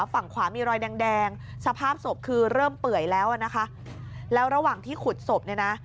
ฝั่งขวามีรอยแดงแดงสภาพศพคือเริ่มเปื่อยแล้วอ่ะนะคะแล้วระหว่างที่ขุดศพเนี่ยนะ